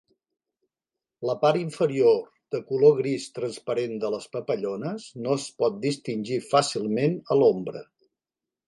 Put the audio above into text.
La part inferior de color gris transparent de les papallones no es pot distingir fàcilment a l"ombra.